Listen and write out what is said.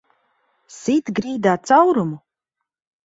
Sit grīdā caurumu!